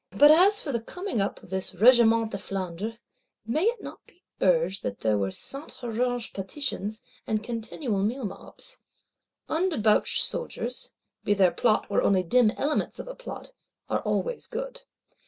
But as for the coming up of this Regiment de Flandre, may it not be urged that there were Saint Huruge Petitions, and continual meal mobs? Undebauched Soldiers, be there plot, or only dim elements of a plot, are always good.